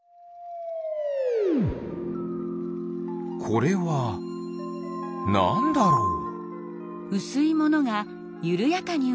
これはなんだろう？